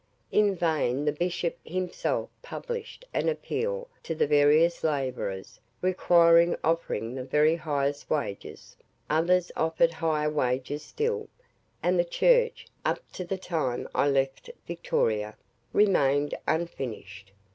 In vain the bishop himself published an appeal to the various labourers required offering the very highest wages; others offered higher wages still, and the church (up to the time I left Victoria) remained unfinished.